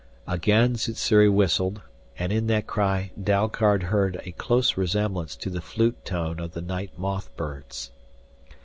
Again Sssuri whistled, and in that cry Dalgard heard a close resemblance to the flute tone of the night moth birds.